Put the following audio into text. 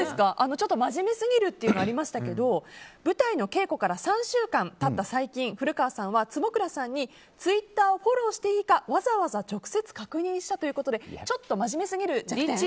ちょっと真面目すぎるっていうのがありましたけど舞台の稽古から３週間経った最近古川さんは坪倉さんにツイッターをフォローしていいかわざわざ直接確認したということで律儀。